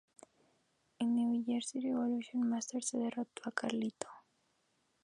En New Year's Revolution Masters derrotó a Carlito.